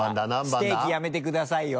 ステーキやめてくださいよ。